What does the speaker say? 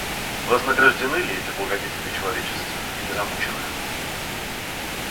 Вознаграждены ли эти благодетели человечества или замучены?